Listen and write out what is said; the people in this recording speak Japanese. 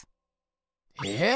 えっ？